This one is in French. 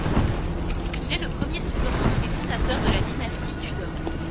Il est le premier souverain et fondateur de la dynastie Tudor.